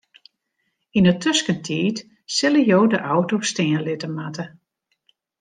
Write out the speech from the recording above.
Yn 'e tuskentiid sille jo de auto stean litte moatte.